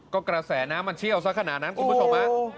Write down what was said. ก็กระแสน้ำมันเชี่ยวสักขนาดนั้นคุณผู้ชมฮะ